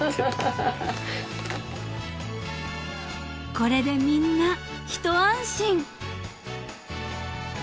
［これでみんなひと安心］